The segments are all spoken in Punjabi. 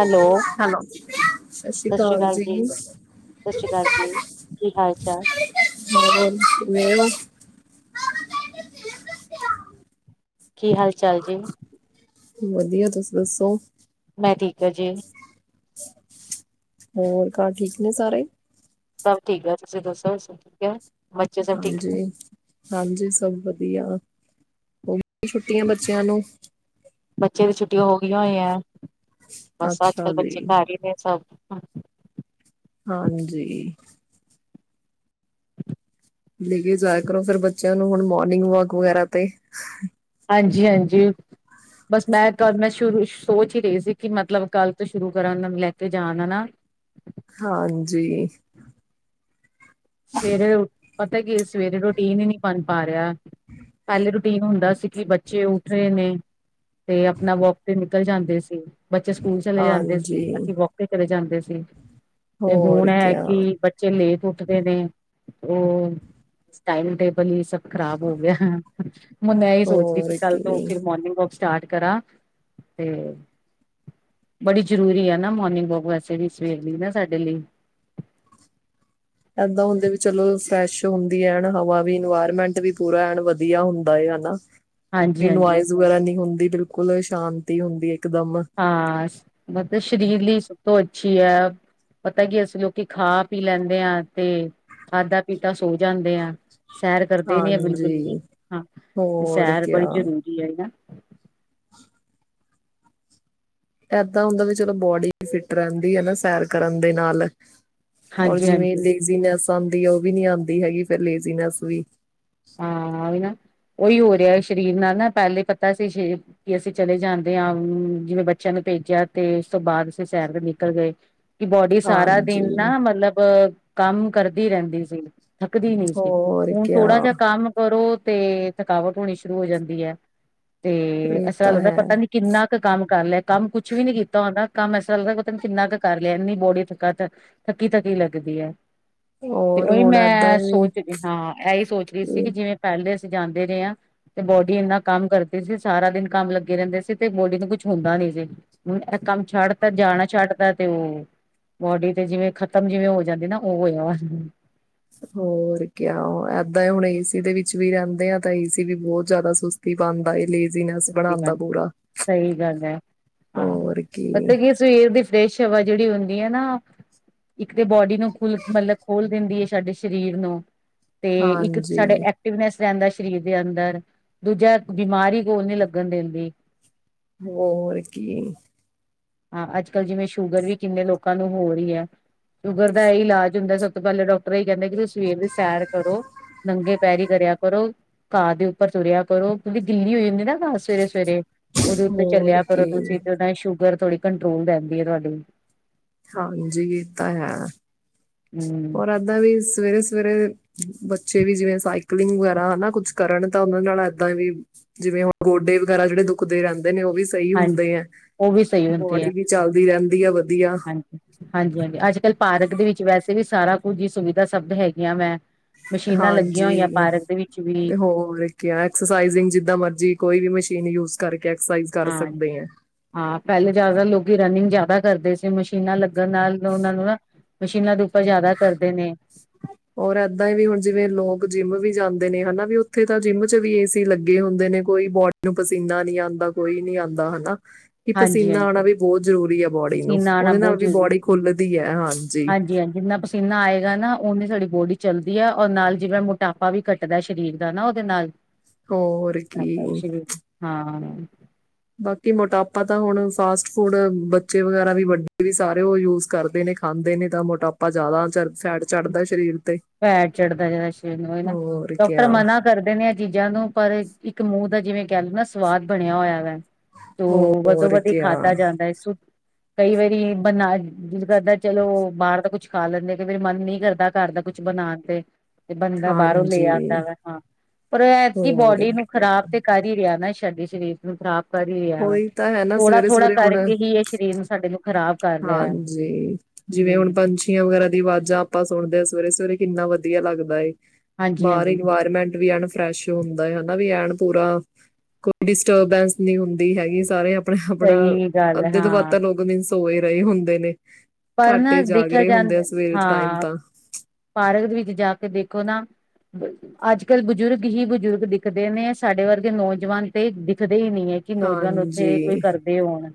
ਹੈਲੋ, ਹੈਲੋ ਸਤਿ ਸ੍ਰੀ ਅਕਾਲ ਜੀ ਸ੍ਰੀ ਅਕਾਲ ਜੀ। ਕੀ ਹਾਲ ਚਾਲ, ਹੋਰ ਕਿਵੇਂ ਹੋਰ ਕੀ ਹਾਲ ਚ ਚਾਲ ਜੀ ਵਧੀਆ। ਤੁਸੀ ਦੱਸੋ? ਮੈਂ ਠੀਕ ਹ ਜੀ ਹੋਰ ਘਰ ਠੀਕ ਨੇ ਸਾਰੇ? ਸਭ ਠੀਕ ਹੈ ਤੁਸੀਂ ਦੱਸੋ ਸਬ ਠੀਕ ਹੈ। ਹਾਂਜੀ -ਹਾਂਜੀ ਸਭ ਵਧੀਆ। ਹ ਛੁੱਟੀਆਂ ਬੱਚਿਆਂ ਨੂੰ ਬੱਚੇ ਦੀ ਛੁੱਟੀਆਂ ਹੋ ਗਈਆਂ ਹੋਈਆਂ ਬਸ ਅੱਜ ਅੱਛਾ ਕੱਲ ਜੀ ਬੱਚੇ ਘ ਹੀ ਨੇ ਸਭ ਹਾਂ ਹਾਂਜੀ। ਲੈ ਕੇ ਜਾਇਆ ਕਰੋ, ਫਿਰ ਬੱਚਿਆਂ ਨੂੰ ਹੁਣ ਮੋਰਨਿੰਗ ਵਾਕ ਵਗੈਰਾ ਤੇ ਹਾਂਜੀ -ਹਾਂਜੀ ਬਸ ਮੈਂ ਕੱਲ ਮੈਂ ਸ਼ੁਰੂ ਸੋਚ ਹੀ ਰਹੀ ਸੀ ਕਿ ਮਤਲਬ ਕੱਲ ਤੋਂ ਸ਼ੁਰੂ ਕਰਾਂ ਲੈ ਕੇ ਜਾਣਾ ਨਾ ਹਾਂਜੀ। ਸਵੇਰੇ ਉੱਠ ਪਤਾ ਕਿ ਸਵੇਰੇ ਰੋਟੀ ਨ ਨੀ ਬਣ ਪਾ ਰਿਹਾ ਪਲੇੇ ਰੁਟੀ ਨ ਹੁੰਦਾ ਸੀ ਕਿ ਬੱਚੇ ਉੱਠ ਰਹੇ ਨੇ ਤੇ ਆਪਣਾ ਵੋਕ ਤੇ ਨਿਕਲ ਜਾਂਦੇ ਸੀ। ਬੱਚੇ ਸਕੂਲ ਚਲੇ ਜਾਂਦੇ ਸੀ ਹਾਂਜੀ ਅਸੀਂ ਵੋਕੇ ਕਰੇ ਜਾਂਦੇ ਸੀ। ਜੀ ਤੇ ਹੋਰ ਹੁਣ ਹੈ ਕਿਆ ਕਿ ਬੱਚੇ ਲੇਟ ਹੋ ਨੇ ਉਹ ਟਾਈਮ ਟੇਬਲ ਹੀ ਸਭ ਖ਼ਰਾਬ ਹੋ ਗਿਆ ਮੈਂ ਇਹ ਸੋਚਦੀਹੀ ਕਿ ਹੋਰ ਕੱਲ ਤੋਂ ਕੀ ਫਿਰ ਮੋਰਨਿੰਗ ਵਾਕ ਸਟਾਰਟ ਕਰਾਂ ਤੇ ਬੜੀ ਜ਼ਰੂਰੀ ਆ ਨਾ ਮੋਰਨਿੰਗ ਵੋਕ ਵੈਸੇ ਵੀ ਸਵੇਰ ਲਈ ਨਾ ਸਾਡੇ ਲਈ। ਇਏਦਾਂ ਹੁੰਦੇ ਵੀ ਚਲੋ ਫਰੈਸ਼ ਹੁੰਦੀ ਐ ਹਵਾ ਵੀ ਇਨਵਾਇਰਮੈਂਟ ਵੀ ਪੂਰਾ ਐ ਵਧੀਆ ਹੁੰਦਾ ਹਨਾ ਹਾਂਜੀ ਕੋਈ ਹਾਂਜੀ ਨੁਇਜ਼ ਵਗੈਰਾ ਨਹੀਂ ਹੁੰਦੀ। ਬਿਲਕੁਲ ਸ਼ਾਂਤੀ ਹੁੰਦੀ ਹੈ। ਹਾਂ ਮਤ ਸ਼੍ਰੀਲੀ ਸਤ ਅੱਛੀ ਹੈ ਪਤਾ ਕੀ ਅਸੀਂ ਲੋਕੀ ਖਾ ਪੀ ਲੈਂਦੇ ਹਾਂ ਤੇ ਖਾਧਾ ਪੀਤਾ ਸੋ ਜਾਂਦੇ ਆ। ਸੈਰ ਕਰਦੇ ਨੀ ਆ ਬਿਲਕੁਲ ਵੀ ਹਾਂਜੀ ਹਾਂ ਤੇ ਹੋਰ ਸੈਰ ਕਿਆ। ਬੜੀ ਜ਼ਰੂਰੀ ਹੈ ਹਨ ਨਾ। ਇਏਦਾਂ ਹੁੰਦਾ ਵੀ ਚਲੋ ਬੋਡੀ ਫਿਟ ਰਹਿੰਦੀ ਹੈ ਨਾ ਸੈਰ ਕਰਨ ਦੇ ਨਾਲ। ਰ ਹਾਂਜੀ ਜਿਵੇਂ ਹਾਂਜੀ ਲੇਜ਼ਨੈਸ ਦੀ ਉਹ ਵੀ ਨੀ ਆਉਂਦੀ ਹੈਗੀ ਫਰ ਲੇਜ਼ਨੈਸ ਵੀ ਹਾਂ ਵੀ ਨਾ ਉਹੀ ਹੋ ਰਿਹਾ ਸਰੀਰ ਨਾਲ ਨਾ ਪਹਿਲੇ ਪਤਾ ਸੀ ਕਿ ਅਸੀਂ ਚਲੇ ਜਾਂਦੇ ਹਾਂ ਜਿਵੇਂ ਬੱਚਿਆਂ ਨੂੰ ਭੇਜਿਆ ਤੇ ਉਸ ਤੋਂ ਬਾਅਦ ਅਸੀਂ ਸੈਰ ਤੇ ਨਿਕਲ ਗਏ। ਕਿ ਬੋਡੀ ਸਾਰਾ ਦਿਨ ਹਾਂਜੀ ਨਾ ਮਤਲਬ ਕੰਮ ਕਰਦੀ ਰਹਿੰਦੀ ਸੀ। ਥੱਕਦੀ ਨਹੀਂ ਸੀ ਹੋਰ ਹੁਣ ਕਿਆ ਥੋੜ੍ਹਾ ਜਿਹਾ ਕੰਮ ਕਰੋ ਤੇ ਥਕਾਵਟ ਹੋਣੀ ਸ਼ੁਰੂ ਹੋ ਜਾਂਦੀ ਹੈ। ਤੇ ਇਹ ਐਸਾ ਤਾਂ ਲੱਗਦਾ ਹੈ। ਪਤਾ ਨੀ ਕਿੰਨਾ ਕੁ ਕੰਮ ਕਰ ਲਿਆ। ਕੰਮ ਕੁਛ ਵੀ ਨੀ ਕੀਤਾ ਹੁੰਦਾ ਕੰਮ ਐਸਾ ਲੱਗਦਾ ਪਤਾਂ ਨੀ ਕਿੰਨਾ ਕੁ ਕਰ ਲਿਆ ਇੰਨੀ ਬੋਡੀ ਥੱਕਾ ਥੱਕੀ ਥੱਕੀ ਲੱਗਦੀ ਹੈ। ਤੇ ਔਰ ਉਹੀ ਹੁਣ ਏਦਾਂ ਮੈਂ ਵੀ ਸੋਚ ਰਹੀ ਹਾਂ ਇਹੀ ਸੋਚ ਰਹੀ ਇਹ ਪਹਿਲੇ ਅਸੀਂ ਜਾਂਦੇ ਰਹੇ ਹਾਂ ਤੇ ਬੋਡੀ ਇੰਨਾ ਕੰਮ ਕਰਦੀ ਸੀ ਸਾਰਾ ਦਿਨ ਕੰਮ ਲੱਗੇ ਰਹਿੰਦੇ ਸੀ ਤੇ ਬੋਡੀ ਨੂੰ ਕੁਛ ਹੁੰਦਾ ਨੀ ਸੀ ਹੁਣ ਇਹ ਕੰਮ ਛੱਡ ਤੇ ਜਾਣਾ ਛੱਡਤਾਂ ਤੇ ਉਹ ਬੋਡੀ ਤੇ ਜਿਵੇਂ ਖਤਮ ਜਿਵੇਂ ਹੋ ਜਾਂਦੀ ਨਾ ਉਹ ਹੋਇਆ ਵਾ ਹੋਰ ਕਿਆ ਏਦਾਂ ਹੁਣ ਏਸੀ ਦੇ ਵਿੱਚ ਵੀ ਰਹਿੰਦੇ ਆ ਤਾਂ ਏਸੀ ਵੀ ਬਹੁਤ ਜ਼ਿਆਦਾ ਸੁਸਤੀ ਪਾਉਦਾ ਲਈ ਸਹੀ ਗੱਲ ਹੈ ਹਾਂ ਪਤਾ ਕੀ ਸਵੇਰ ਦੀ ਫਰੈਸ਼ ਹਵਾ ਜਿਹੜੀ ਹੁੰਦੀ ਹੈ ਨਾ ਇੱਕ ਤੇ ਬੋਡੀ ਨੂੰ ਖੁੱਲ ਮਤਲਬ ਖੋਲ ਦਿੰਦੀ ਹੈ ਸਾਡੇ ਸਰੀਰ ਨੂੰ ਤੇ ਇੱਕ ਸਾਡੇ ਹਾਂਜੀ ਐਕਟਿਵਨੈਸ ਰਹਿੰਦਾ ਸਰੀਰ ਦੇ ਅੰਦਰ ਦੂਜਾ ਬਿਮਾਰੀ ਨੀ ਲੱਗਣ ਦਿੰਦੀ ਹੋਰ ਕੀ ਹਾਂ ਅੱਜ ਕੱਲ ਜਿਵੇਂ ਸ਼ੂਗਰ ਵੀ ਕਿੰਨੇ ਲੋਕਾਂ ਨੂੰ ਹੋ ਰਹੀ ਹੈ ਸ਼ੂਗਰ ਦਾ ਇਹ ਇਲਾਜ ਹੁੰਦਾ ਸਭ ਤੋਂ ਪਹਿਲਾਂ ਡਾਕਟਰ ਇਹੀ ਕਹਿੰਦਾ ਕਿ ਤੁਸੀਂ ਸਵੇਰ ਦੇ ਸੈਰ ਕਰੋ ਨੰਗੇ ਪੈਰੀ ਕਰਿਆ ਕਰੋ ਘਾਹ ਦੇ ਉੱਪਰ ਤੁਰਿਆ ਕਰੋ ਕਿਉੰਕਿ ਗਿੱਲੀ ਹੋ ਜਾਂਦੀ ਨਾ ਸਵੇਰੇ ਸਵੇਰੇ ਉਹਦੇ ਉੱਤੇ ਹੋਰ ਚੱਲਿਆ ਕਰੋ ਕੀ ਤੁਸੀਂ ਤੇ ਉਹ ਸ਼ੂਗਰ ਥੋੜ੍ਹੀ ਕੰਟਰੋਲ ਰਹਿੰਦੀ ਹੈ ਤੁਹਾਡੀ ਹਾਂਜੀ ਇਹ ਤਾਂ ਹੈ ਹਮ ਉਹ ਇਦਾ ਵੀ ਸਵੇਰੇ ਸਵੇਰੇ ਸਵੇਰੇ ਬੱਚੇ ਵੀ ਜਿਵੇਂ ਸਾਈਕਲਿੰਗ ਵਗੈਰਾ ਹਨਾ ਕੁੱਛ ਕਰਨ ਤਾਂ ਉਹਨਾਂ ਨਾਲ ਇੱਦਾਂ ਵੀ ਜਿਵੇਂ ਹੁਣ ਗੋਡੇ ਵਗੈਰਾ ਜਿਹੜੇ ਦੁਖਦੇ ਰਹਿੰਦੇ ਨੇ ਉਹ ਵੀ ਸਹੀ ਹਾਂਜੀ ਹੁੰਦੇ ਆ ਉਹ ਵੀ ਸਹੀ ਹੁੰਦੇ ਆ ਬੋਡੀ ਵੀ ਚਲਦੀ ਰਹਿੰਦੀ ਵਧੀਆ ਹਾਂਜੀ ਹਾਂਜੀ ਹਾਂਜੀ ਅੱਜ ਕੱਲ੍ਹ ਪਾਰਕ ਦੇ ਵਿੱਚ ਵੈਸੇ ਵੀ ਸਾਰਾ ਕੁੱਝ ਹੀ ਸੁਵਿਧਾ ਸ਼ਬਦ ਹੈਗੀਆਂ ਵੈ ਹਾਂਜੀ ਹੋਰ ਐਕਸਰਸਜਿੰਗ ਜਿਦਾਂ ਮਰਜੀ ਕੋਈ ਵੀ ਮਸ਼ੀਨ ਯੂਜ ਕਰਕੇ ਐਕਸਰਸਾਈਜ਼ ਕਰ ਹਾ ਸਕਦੇ ਆ। ਹਾ ਪਹਿਲੇ ਜਿਆਦਾ ਲੋਕ ਕਿ ਰਨਿੰਗ ਜਿਆਦਾ ਕਰਦੇ ਸੀ ਮਸ਼ੀਨਾਂ ਲੱਗਣ ਨਾਲ ਉਹਨਾਂ ਨੂੰ ਨਾ ਮਸ਼ੀਨਾਂ ਦੇ ਉੱਪਰ ਜ਼ਿਆਦਾ ਕਰਦੇ ਨੇ ਔਰ ਇਦਾਂ ਹੀ ਹੁਣ ਜਿਵੇਂ ਲੋਕ ਜਿਮ ਵੀ ਜਾਂਦੇ ਨੇ ਹਨਾ ਵੀ ਉੱਥੇ ਤਾਂ ਜਿਮ ਚ ਵੀ ਏਸੀ ਲੱਗੇ ਹੁੰਦੇ ਨੇ ਕੋਈ ਬਾਡੀ ਪਸੀਨਾ ਨਹੀਂ ਆਉਂਦਾ ਕੋਈ ਨਹੀਂ ਆਉਂਦਾ ਹਨਾ ਇਹ ਹਾਂਜੀ ਪਸੀਨਾ ਆਉਣਾ ਹਾਂਜੀ ਵੀ ਬਹੁਤ ਜਰੂਰੀ ਆ ਬੋਡੀ ਨੂੰ ਪਸੀਨਾ ਆਉਣਾ ਉਹਦੇ ਨਾਲ ਬਹੁਤ ਵੀ ਜ਼ਰੂਰੀ ਬੋਡੀ ਖੁਲਦੀ ਹੈ ਹਾਜੀ ਉਹਨੇ ਸਾਡੀ ਬੋਡੀ ਚੱਲਦੀ ਹੈ ਔਰ ਨਾਲ ਜਿਵੇਂ ਮੋਟਾਪਾ ਵੀ ਕੱਟਦਾ ਸਰੀਰ ਦਾ ਨਾ ਉਹਦੇ ਨਾਲ ਹੋਰ ਕੀ ਹਾਂਜੀ ਬਾਕੀ ਮੋਟਾਪਾ ਤਾਂ ਹੁਣ ਫਾਸਟ ਫੂਡ ਬੱਚੇ ਵਗੈਰਾ ਵੀ ਸਾਰੇ ਯੂਜ ਕਰਦੇ ਨੇ ਖਾਂਦੇ ਨੇ ਤਾਂ ਮੋਟਾਪਾ ਜਿਆਦਾ ਫੈਟ ਚੜ੍ਹਦਾ ਜਿਹੜਾ ਸਰੀਰ ਨੂੰ ਨਾ ਹੋਰ ਡਾਕਟਰ ਕਿਆ ਮਨਾ ਕਰਦੇ ਨੇ ਚੀਜ਼ਾਂ ਨੂੰ ਪਰ ਇੱਕ ਮੂੰਹ ਦਾ ਜਿਵੇਂ ਕਹਿ ਲਓ ਨਾ ਸਵਾਦ ਬਣਿਆ ਹੋਇਆ ਵਾ ਤੋ ਵਧੋ ਹੋਰ ਵਧੀ ਕਿਆ ਖਾਦਾ ਜਾਂਦਾ ਕਈ ਵਾਰੀ ਬਨਾ ਜ ਕਰਦਾ, ਚਲੋ ਬਾਰ ਦਾ ਕੁੱਛ ਖਾ ਲੈਂਦੇ। ਕਈ ਵਾਰੀ ਮਨ ਨਈ ਕਰਦਾ ਘਰ ਦਾ ਕੁਛ ਬਣਾਣ ਤੇ। ਤੇ ਬੰਦਾ ਬਾਰੋਂ ਲੈ ਹਾਂਜੀ, ਆਂਦਾ ਵਾ। ਹਾਂ, ਪਰ ਐਤਕੀ ਹੋਰ ਬੋਡੀ ਨੂੰ ਕਿਆ ਖਰਾਬ ਤੇ ਕਰ ਹੀ ਰਿਹਾ ਨਾ। ਸਾਡੇ ਸਰੀਰ ਨੂੰ ਖਰਾਬ ਕਰ ਹੀ ਰੇਹਾ ਵਾ। ਉਹੀ ਤਾਂ ਹੈ ਨਾ ਥੋੜਾ, ਥੋੜਾ ਸਵੇਰੇ-ਸਵੇਰੇ ਹੁਣ ਕਰਕੇ ਹੀ ਏ ਸਰੀਰ ਨੂੰ ਸਾਡੇ ਨੁੰ ਹਾਂਜੀ, ਜਿਵੇਂ ਹਮ ਹੁਣ ਪੰਛੀਆਂ ਵਗੈਰਾ ਦੀ ਵਾਜ਼ਾਂ ਆਪਾਂ ਸੁਣਦੇ ਹਾਂ ਸਵੇਰੇ-ਸਵੇਰੇ ਕਿੰਨਾ ਵਧੀਆ ਲੱਗਦਾ ਏ। ਹਾਂਜੀ ਬਾਰ ਹਾਂਜੀ ਇਨਵਾਇਰਮੈਂਟ ਵੀ ਆ ਫਰੈਸ਼ ਹੁੰਦਾ ਏ, ਹੇਨਾ ਵੀ ਐਨ ਪੂਰਾ ਕੋਈ ਡਿਸਟਰਬੈਂਸ ਨਹੀਂ ਹੁੰਦੀ ਹੈਗੀ ਸਾਰੇ ਅਪ ਅਪਣਾ, ਅਪਣਾ ਸਹੀ ਗੱਲ ਹੈ ਅੱਧੇ ਤੋਂ ਵਦ ਤਾ ਹਾਂ ਲੋਗ ਮੀਂਸ ਸੋਏ ਰਹੇ ਹੁੰਦੇ ਨੇ ਪਰ ਘਾਟ ਨਾ ਹੀ ਜਾਗ ਦੇਖਿਆ ਰਹੇ ਹੁੰਦੇ ਜਾਂਦਾ ਆ ਸਵੇਰ ਟਾਈਮ ਹਾਂ ਤਾਂ। ਪਾਰਕ ਵਿੱਚ ਜਾ ਕੇ ਦੇਖੋ ਨਾ ਅੱਜ-ਕੱਲ ਬਜ਼ੁਰਗ ਹੀ ਬਜ਼ੁਰਗ ਦਿਖਦੇ ਨੇ, ਸਾਡੇ ਵਰਗੇ ਨੌਜਵਾਨ ਤੇ ਦਿਖਦੇ ਹੀ ਨਹੀਂ ਹੈ ਕਿ ਨੌਜਵਾਨ ਉੱਥੇ ਕੋਈ ਹਾਂਜੀ, ਕਰਦੇ ਹੋਣ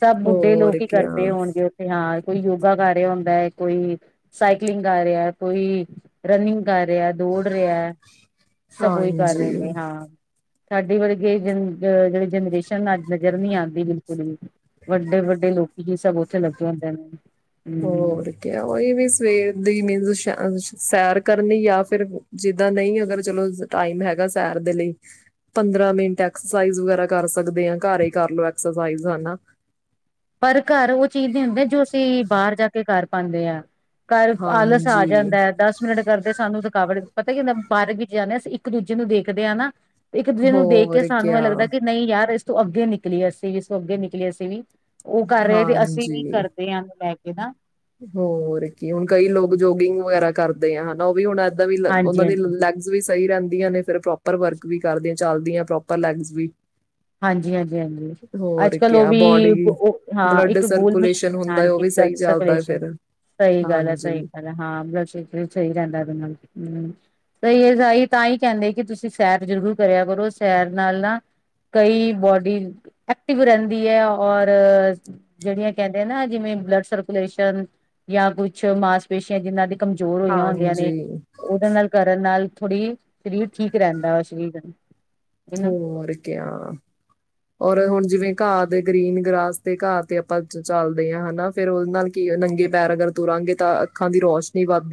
ਸਭ ਬੁੱਢੇ ਹੋਰ ਲੋਕ ਹੀ ਕਿਆ ਕਰਦੇ ਹੋਣਗੇ ਉੱਥੇ ਹਾਂ ਕੋਈ ਯੋਗਾ ਕਰ ਰਿਹਾ ਹੁੰਦਾ ਏ ਕੋਈ ਸਾਈਕਲਿੰਗ ਕਰ ਰਿਹਾ ਕੋਈ ਰਨਿੰਗ ਕਰ ਰਿਹਾ ਦੌੜ ਰਿਹਾ ਸਭ ਉਹੀ ਕਰ ਰਹੇ ਨੇ ਹਾਂਜੀ। ਹਾਂ ਸਾਡੇ ਵਰਗੇ ਜਨ ਜਿਹੜੇ ਜਨਰੇਸ਼ਨ ਅੱਜ ਨਜ਼ਰ ਨਹੀਂ ਆਉਂਦੀ ਬਿਲਕੁਲ ਵੀ ਵੱਡੇ- ਵੱਡੇ ਲੋਕ ਜੀ ਸਭ ਉੱਥੇ ਲੱਗੇ ਹੁੰਦੇ ਨੇ ਹਮ ਹੋਰ ਕਿਆ ਉਈ ਵੀ ਸਵੇਰ ਦੀ ਨੀਂਦ ਅ ਸੈਰ ਕਰਨੀ ਜਾਂ ਫਿਰ ਜਿਦਾਂ ਨਹੀਂ ਅਗਰ ਚਲੋ ਟਾਈਮ ਹੈਗਾ ਸੈਰ ਦੇ ਲਈ ਪੰਦਰਾਂ ਮਿੰਟ ਐਕਸਰਸਾਈਜ਼ ਵਗੈਰਾ ਕਰ ਸਕਦੇ ਆ ਘਰ ਹੀ ਕਰਲੋ ਐਕਸਰਸਾਈਜ਼ ਹਨਾ ਪਰ ਘਰ ਉਹ ਚੀਜ਼ ਨੀ ਹੁੰਦੀ ਜੋ ਅਸੀਂ ਬਾਹਰ ਜਾ ਕਰ ਪਾਂਦੇ ਆ ਘਰ ਆਲਸ ਆ ਹਾਂਜੀ ਜਾਂਦਾ ਏ ਦਸ ਮਿੰਟ ਕਰਦੇ ਸਾਨੂੰ ਥਕਾਵਟ ਪਤਾ ਕੀ ਹੁੰਦਾ ਪਾਰਕ ਵਿੱਚ ਜਾਂਣੇ ਆ ਅਸੀਂ ਇੱਕ ਦੂਜੇ ਨੂੰ ਦੇਖਦੇ ਆ ਨਾ ਇੱਕ ਦੂਜੇ ਨੂੰ ਦੇਖ ਕੇ ਹੋਰ ਸਾਨੂੰ ਇਹ ਕਿਆ ਲੱਗਦਾ ਕਿ ਨਹੀਂ ਯਾਰ ਤੂੰ ਅੱਗੇ ਨਿਕਲੀ ਅਸੀਂ ਵੀ ਸੋ ਅੱਗੇ ਨਿਕਲੀ ਅਸੀਂ ਵੀ ਉਹ ਕਰ ਰਹੇ ਤੇ ਅਸੀਂ ਵੀ ਹਾਂਜੀ ਕਰਦੇ ਆ ਹੈਨਾ ਹੋਰ ਕੀ ਹੁਣ ਕਈ ਲੋਕ ਜੋਗਿੰਗ ਵਗੈਰਾ ਕਰਦੇ ਆ ਹਨਾ ਉਹ ਵੀ ਹੁਣ ਦਾਂ ਵੀ ਹਾਂਜੀ ਉਹਨਾਂ ਦੀ ਹਾਂਜੀ ਲੈਗਜ਼ ਵੀ ਸਹੀ ਰਹਿੰਦੀਆਂ ਨੇ ਫਿਰ ਪ੍ਰੋਪਰ ਵਰਕ ਵੀ ਕਰਦੀਆਂ ਚੱਲਦੀਆਂ ਪ੍ਰੋਪਰ ਲੈਗਸ ਵੀ ਹਾਂਜੀ ਹਾਂਜੀ ਹਾਂਜੀ ਅੱਜ ਹੋਰ ਕੱਲ ਉਹ ਕਿਆ ਵੀ ਬੋਡੀ ਹਾਂ ਓ ਬਲੱਡ ਇੱਕ ਗੋਲ ਮਿਸ਼ ਸਰਕੂਲੇਸ਼ਨ ਹੁੰਦਾ ਹੈ, ਉਹ ਹਾਂਜੀ ਵੀ ਬਲੱਡ ਸਹੀ ਚੱਲਦਾ ਹੈ ਸਰਕੂਲੇਸ਼ਨ ਫਿਰ ਸਹੀ ਗੱਲ ਹੈ ਹਾਂਜੀ, ਸਹੀ ਗੱਲ ਹੈ ਹਾਂ ਵੈਸੇ ਸਹੀ ਰਹਿੰਦਾ ਬੰਦਾ ਹੂੰ ਬਈ ਇਹ ਸਹੀ ਤਾਂ ਹੀ ਕਹਿੰਦੇ ਕਿ ਤੁਸੀਂ ਸੈਰ ਜ਼ਰੂਰ ਕਰਿਆ ਕਰੋ ਸੈਰ ਨਾਲ ਨਾ ਕਈ ਬੋਡੀ ਐਕਟਿਵ ਰਹਿੰਦੀ ਹੈ ਔਰ ਜਿਹੜੀਆਂ ਕਹਿੰਦੀਆਂ ਨਾ ਜਿਵੇਂ ਬਲੱਡ ਸਰਕੂਲੇਸ਼ਨ ਜਾਂ ਕੁਛ ਮਾਸਪੇਸ਼ੀਆਂ ਜਿਹਨਾਂ ਦੀ ਕਮਜ਼ੋਰ ਹੋਈਆਂ ਹੁੰਦੀਆਂ ਨੇ ਹਾਂਜੀ ਉਹਦੇ ਨਾਲ ਕਰਨ ਨਾਲ ਥੋੜੀ ਸਰੀਰ ਠੀਕ ਰਹਿੰਦਾ ਵਾ ਸਰੀਰ ਨੂੰ ਹੋਰ ਕੇ, ਔਰ ਹੁਣ ਜਿਵੇਂ ਘਾਹ ਦੇ ਗ੍ਰੀਨ ਗ੍ਰਾਸ ਤੇ ਘਾਹ ਤੇ ਆਪਾਂ ਚੱਲਦੇ ਹਾਂ ਹਨਾ, ਫੇਰ ਓਦੇ ਨਾਲ ਕੀ ਨੰਗੇ ਪੈਰ ਅਗਰ ਤੁਰਾਂਗੇ, ਤਾਂ ਅੱਖਾਂ ਦੀ ਰੋਸ਼ਨੀ ਵੱਧ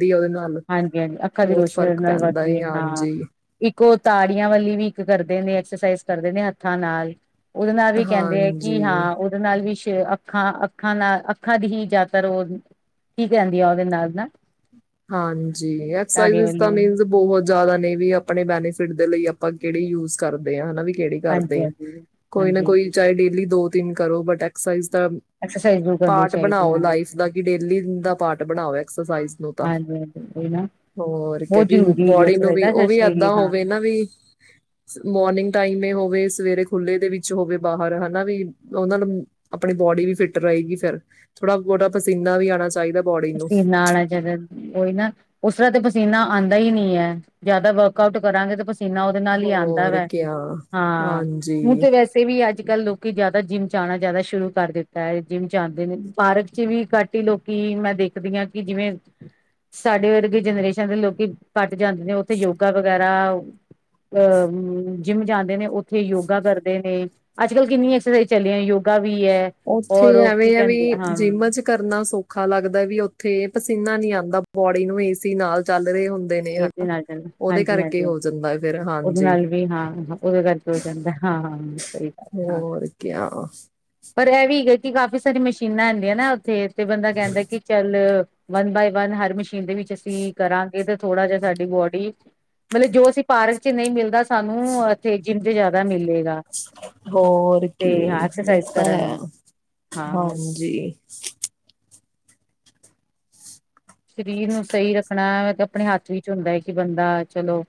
ਹਾਂਜੀ-ਹਾਂਜੀ, ਅੱਖਾਂ ਦੀ ਰੋਸ਼ਨੀ ਨਾਲ ਪੈਂਦਾ ਵੱਧਦੀ ਐ, ਏ ਹਾਂ, ਹਾਂਜੀ, ਇੱਕ ਓ ਤਾੜੀਆਂ ਵਾਲੀ ਵੀ ਕਰਦੇ ਨੇ ਐਕਸਸਾਈਜ਼ ਕਰਦੇ ਨੇ ਹੱਥਾਂ ਨਾਲ। ਉਦੇ ਨਾਲ ਵੀ ਕੈਂਦੇ ਐ ਕਿ ਹਾਂਜੀ। ਹਾਂ, ਉਦੇ ਨਾਲ ਵੀ ਤੇ ਅੱਖਾਂ-ਅੱਖਾਂ ਨਾਲ ਅੱਖਾਂ ਦੀ ਹੀ ਜਿਆਦਾਤਰ ਓ, ਠੀਕ ਰੈਂਦੀ ਆ ਓਦੇ ਨਾਲ ਨਾ ਹਾਂਜੀ, ਤਾੜੀ ਐਕਸਸਾਈਜ਼ਸ ਵਾਲੀ ਤਾਂ ਹਾਂਜੀ ਮੀਨਜ਼ ਬੋਹਤ ਜ਼ਾਅਦਾ ਨਈਂ ਵੀ ਆਪਣੇ ਬੈਨੀਫਿਟ ਦੇ ਲਈ ਆਪਾਂ ਕੇੜੀ ਯੂਸ ਕਰਦੇ ਆਂ, ਹਨਾ ਵੀ? ਕੇੜੀ ਹਾਂਜੀ ਕਰਦੇ ਆਂ, ਕੋਈ ਨਾ ਹਾਂਜੀ ਕੋਈ ਹਾਂਜੀ ਚਾਏ ਡੇਲੀ ਦੋ ਤਿੰਨ ਕਰੋ ਬਟ ਐਕਸਸਾਈਜ਼ ਦਾ, ਐਕਸਰਸਾਈਜ਼ ਜ਼ਰੂਰ ਕਰਨੀ ਪਾਟ ਚਾਹੀਦੀ ਬਣਾਓ ਹਾਂ ਲਾਈਫ ਦਾ ਕਿ ਡੇਲੀ ਦਾ ਪਾਟ ਬਣਾਓ ਐਕਸਸਾਈਜ਼ ਨੂੰ। ਹਾਂਜੀ ਹਾਂਜੀ ਉਹੀ ਨਾ ਹੋਰ ਬਹੁਤ ਕੈਕਿ ਜ਼ਰੂਰੀ ਹੈਗੀ ਬੋਡੀ ਨੂੰ ਐਕਸਰਸਾਈਜ਼ ਵੀ ਨਾ ਓ ਸਾਡੇ ਵੀ ਸਰੀਰ ਐਦਾਂ ਲਈ ਹਾਂ ਹੋਵੇ ਨਾ ਵੀ, ਮੋਰਨਿੰਗ ਟਾਈਮ ਹੋਵੇ ਸਵੇਰੇ ਖੁੱਲੇ ਦੇ ਵਿੱਚ ਹੋਵੇ ਬਾਹਰ ਹਨਾ ਵੀ, ਓਨਾਂ ਨੂੰ ਆਪਣੀ ਬੋਡੀ ਵੀ ਫਿੱਟ ਰਏਗੀ ਫੇਰ, ਥੋੜਾ ਬੋੜ੍ਹਾ ਪਸੀਨਾ ਵੀ ਆਣਾ ਚਾਈਦਾ। ਪਸੀਨਾ ਆਣਾ ਜਾਅਦਾ ਓਈ ਨਾ, ਉਸ ਤਰ੍ਹਾਂ ਤੇ ਪਸੀਨਾ ਆਂਦਾ ਈ ਨੀ ਐ, ਜਾਅਦਾ ਵਅਕ ਆਊਟ ਕਰਾਂਗੇ ਤੇ ਪਸੀਨ ਜੀਨਾ ਉਦੇ ਨਾਲ ਈ ਆਂਦਾ ਹੋਰ ਵੈ, ਕਿਆ ਹਾਂ ਹੁਣ ਹਾਂਜੀ ਤੇ ਵੈਸੇ ਵੀ ਅੱਜ ਅੱਜ ਕੱਲ੍ਹ ਲੋਕੀ ਜਾ਼ਅਦਾ ਜਿੰਮ 'ਚ ਆਣਾ ਜਾਅਦਾ ਸ਼ੁਰੂ ਕਰ ਦਿੱਤਾ ਐ, ਜਿੰਮ 'ਚ ਆਂਦੇ ਨੇ, ਪਾਰਕ 'ਚ ਵੀ ਘੱਟ ਈ ਲੋਕੀ ਮੈਂ ਦੇਖਦੀ ਆਂ ਕਿ ਜਿਵੇਂ, ਸਾਡੇ ਵਰਗੇ ਜਨਰੇਸ਼ਨ ਦੇ ਲੋਕੀ ਘੱਟ ਜਾਂਦੇ ਨੇ ਓੱਥੇ ਯੋਗਾ ਵਗੈਰਾ, ਅਹ ਜਿੰਮ ਜਾਂਦੇ ਨੇ ਓੱਥੇ ਯੋਗਾ ਕਰਦੇ ਨੇ, ਅੱਜ ਕੱਲ੍ਹ ਕਿੰਨੀ ਐਕਸਸਾਈਜ਼ ਚੱਲੀਆਂ ਯੋਗਾ ਵੀ ਹੈ ਔਰ ਓੱਥੇ ਉਹ ਕੀ ਐਵੇਂ ਆ ਵੀ ਕਹਿੰਦੇ ਹਾਂ ਜਿੰਮਾਂ ਚ ਕਰਨਾ ਸੌਖਾ ਲੱਗਦਾ ਵੀ, ਓਥ ਉੱਥੇ ਪਸੀਨਾ ਨੀ ਆਂਦਾ ਬੋਡੀ ਨੂੰ ਏਸੀ ਨਾਲ ਚੱਲ ਰਹੇ ਹੁੰਦੇ ਨੇ ਇਸ ਹਨਾ ਨਾਲ ਚੱਲਣਾ, ਉਹਦੇ ਹਾਂਜੀ, ਕਰਕੇ ਹਾਂਜੀ ਹੋ ਜਾਂਦਾ ਫਿਰ ਓਦੇ ਹਾਂਜੀ ਨਾਲ ਵੀ, ਹਾਂ ਓਦੇ ਕਰਕੇ ਹੋ ਜਾਂਦਾ, ਹਾਂ ਹਾਂ ਸਹੀ ਗੱਲ, ਹਾ। ਹੋਰ ਕਿਆ ਪਰ ਐ ਵੀ ਹੈ ਕਿ ਕਾਫ਼ੀ ਸਾਰੀਆਂ ਮਸ਼ੀਨਾਂ ਹੁੰਦੀਆਂ ਨਾ ਉੱਥੇ। ਤੇ ਬੰਦਾ ਕਹਿੰਦਾ ਕਿ ਚੱਲ। ਵਨ ਬਾਏ ਵਨ, ਹਰ ਮਸ਼ੀਨ ਦੇ ਵਿੱਚ ਅਸੀਂ ਕਰਾਂਗੇ ਤੇ ਥੋੜਾ ਜਿਹਾ ਸਾਡੀ ਬੋਡੀ, ਮਤਲਬ ਜੋ ਅਸੀਂ ਪਾਰਕ 'ਚ ਨਹੀਂ ਮਿਲਦਾ, ਸਾਨੂੰ ਇੱਥੇ ਜਿੰਮ ਤੇ ਜਿਆਦਾ ਮਿਲੇ। ਹੋਰ ਕੀ ਨਹੀਂ ਐਕਸਰਸਾਈਜ਼ ਤਾਂ ਕਰਨ ਨੂੰ ਹੈ, ਹਾਂ ਹਾਂਜੀ। ਸਰੀਰ ਨੂੰ ਸਹੀ ਰੱਖਣਾ ਮਤਲਬ ਆਪਣੇ ਹੱਥ ਵਿੱਚ ਹੁੰਦਾ ਹੈ, ਕਿ ਬੰਦਾ ਚਲੋ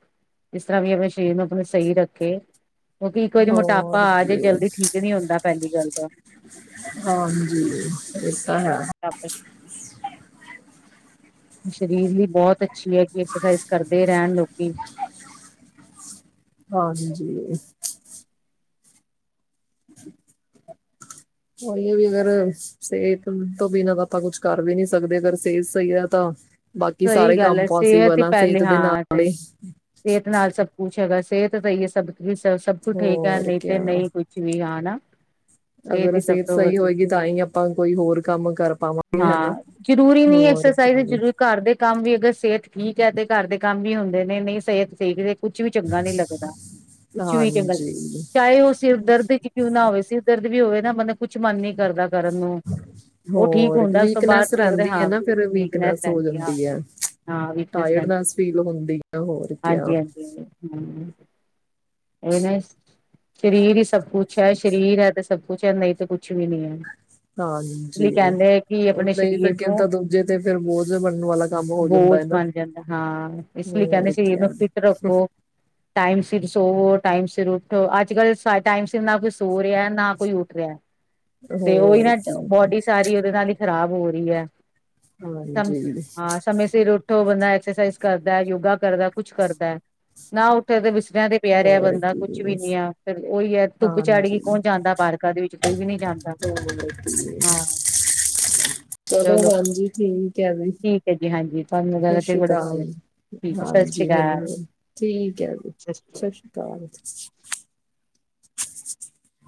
ਜਿਸ ਤਰ੍ਹਾਂ ਵੀ ਆਪਣੇ ਸਰੀਰ ਨੂੰ, ਆਪ, ਨੂੰ ਸਹੀ ਰੱਖੇ। ਕਿਉਂਕਿ ਇੱਕ ਵਾਰੀ ਮੋਟਾਪਾ ਹੋਰ ਆ ਜੇ ਕੀ ਜਲਦੀ ਠੀਕ ਨੀ ਹੁੰਦਾ ਪਹਿਲੀ ਗੱਲ। ਅੱਛਾ। ਹਾਂਜੀ, ਇਹ ਤਾਂ ਹੈ। ਸਰੀਰ ਵੀ ਇੱਕ ਬਹੁਤ ਅੱਛੀ ਹੈ, ਕਿ ਐਕਸਰਸਾਈਜ਼ ਕਰਦੇ ਰਹਿਣ ਲੋਕੀ। ਹਾਂਜੀ। ਉਹੀ ਹੈ ਵੀ ਅਗਰ ਸਿਹਤ ਤੋਂ ਬਿਨਾਂ ਤਾਂ ਆਪਾਂ ਕੁੱਛ ਕਰ ਵੀ ਨਹੀਂ ਸਕਦੇ, ਅਗਰ ਸਿਹਤ ਸਹੀ ਹੈ, ਤਾਂ ਬਾਕੀ ਸਹੀ ਸਾਰੇ ਗੱਲ ਕੰਮ ਹੈ, ਸਿਹਤ ਪੋਸੀਬਲ ਹੀ ਆ ਸਿਹਤ ਪਹਿਲੇ, ਦੇ ਹਾਂ ਨਾਲ ਹੀ ਸਿਹਤ ਨਾਲ ਸਭ ਕੁੱਛ। ਚੰਗਾਂ, ਸਿਹਤ ਤਾਂ ਹੀ ਹੈ ਸਭ। ਵੀ ਸ ਸਭ ਕੁਛ ਠੀਕ ਹੈ, ਹੋਰ ਨਹੀਂ ਤੇ ਕਿਆ ਨਹੀਂ ਕੁੱਛ ਵੀ ਹਾਂ, ਨਾਂ। ਅਗਰ ਸਿਹਤ ਸਹੀ ਹੋਏਗੀ ਤਾਂ ਹੀ ਆਪਾਂ ਕੋਈ ਹੋਰ ਕੰਮ ਕਰ ਪਾਵਾਂਗੇ। ਹੈਨਾ, ਹਾਂ ਜ਼ਰੂਰੀ ਨਹੀਂ ਹੋਰ ਐਕਸਰਸਾਈਜ਼ ਕੀ। ਜ਼ਰੂਰੀ ਘਰ ਦੇ ਕੰਮ ਵੀ ਅਗਰ ਸਿਹਤ ਠੀਕ ਹੈ ਤੇ ਘਰ ਦੇ ਕੰਮ ਵੀ ਹੁੰਦੇ ਨੇ ਨਹੀਂ ਸਿਹਤ ਠੀਕ ਕੁਛ ਵੀ ਚੰਗਾ ਨਹੀਂ ਲੱਗਦਾ, ਕੁਛ ਵੀ ਚੰਗਾ। ਹਾਂਜੀ ਚਾਹੇ ਉਹ ਸਿਰ ਦਰਦ ਚ ਕਿਉਂ ਨਾ ਹੋਵੇ ਸ ਦਰਦ ਜਦੋ ਵੀ ਹੋਵੇ ਨਾ ਬੰਦਾ ਕੁਛ ਮਨ ਨੀ ਕਰਦਾ। ਕਰਨ ਨੂੰ ਉਹ ਠੀਕ ਹੋਰ ਹੁੰਦਾ ਉਸ ਤੋਂ ਵੀਕਨੈਸ ਬਾਅਦ ਲੱਗਦਾ ਰਹਿੰਦੀ ਹੈ ਹਾਂ ਨਾ ਫੇਰ ਵੀਕਨੈਸ। ਹੋ ਰਹਿੰਦੀ ਹਾਂ ਜਾਂਦੀ ਹੈ। ਹਾਂ ਵੀਕਨੈਸ ਰਹਿੰਦੀ ਟਾਇਰਡਨੈਸ ਫੀਲ ਹੁੰਦੀ ਆ ਹੋਰ ਕਿਆ। [inaudible] ਔਵਰਨੇਸ। ਸਰੀਰ ਹੀ ਸਭ ਕੁਛ ਐ, ਸਰੀਰ ਐਤੇ ਸਭ ਕੁਛ ਐ ਨਹੀਂ ਤੇ ਕੁਛ ਵੀ ਨੀ ਐ। ਹਾਂਜੀ, ਨਹੀਂ ਫ਼ੇਰ ਸਰੀਰ ਨੂੰ ਕਈਦਾ ਤਾਂ ਦੂਜੇ ਤੇ ਫੇਰ ਬਹੁਤ ਬੋਝ ਬਣ ਜਾਂਦਾ ਹਾਂ। ਇਸ ਲਈ ਕਹਿੰਦੇ ਹੋਰ ਸਰੀਰ ਕਿਆ ਨੂੰ ਫਿਟ ਰੱਖੋ। ਟਾਈਮ ਸਿਰ ਸੋਵੋ, ਟਾਈਮ ਸਿਰ ਉੱਠੋ। ਅੱਜ-ਕੱਲ੍ਹ ਟਾਈਮ ਸਿਰ ਨਾ ਕੋਈ ਸੋ ਰਿਹਾ ਨਾ ਕੋਈ ਉੱਠ ਰਿਹਾ। ਤੇ ਉਹੀ ਹੋਰ ਨਾ ਕੀ ਬੋਡੀ ਸਾਰੀ ਉਹਦੇ ਨਾਲ ਹੀ ਖ਼ਰਾਬ ਹੋ ਰਹੀ ਹੈ। ਸਮ ਹਾਂਜੀ ਹਾਂ ਸਮੇਂ ਸਿਰ ਉਠੋ। ਬੰਦਾ ਐਕਸਰਸਾਈਜ਼ ਕਰਦਾ, ਯੋਗਾ ਕਰਦਾ, ਕੁਛ ਕਰਦਾ ਹੈ ਨਾ ਉੱਠੇ ਤੇ ਬੈਡ ਤੇ ਪਿਆ ਰਿਹਾ ਹੋਰ ਬੰਦਾ ਕੀ ਕੁੱਛ ਵੀ ਨੀ ਹੈ। ਫਿਰ ਉਹੀ ਐ ਧੁੱਪ ਚਾੜੀ ਗਈ ਹਾਂਜੀ ਕੌਣ ਜਾਂਦਾ ਪਾਰਕਾਂ ਦੇ ਵਿੱਚ ਕੋਈ ਵੀ ਨੀ ਜਾਂਦਾ, ਹੋਰ ਕੀ ਆ ਚਲੋ। ਠੀਕ ਹੈ [inaudible] ਜੀ ਹਾਂਜੀ। ਤੁਹਾਨੂੰ ਗੱਲ ਕਰਕੇ ਬੜਾ ਅੱਛਾ ਸ਼ਸ਼ੀਕਾਲ। ਲੱਗਾ ਠੀਕ ਹੈ ਸਤਿ ਸ਼੍ਰੀ ਹਾਂਜੀ, ਮੈਨੂੰ ਅਕਾਲ ਵੀ, ਠੀਕ ਐ, ਸਤਿ ਸ਼੍ਰੀ ਅਕਾਲ। ਸ਼ਸ਼ੀਕਾਲ।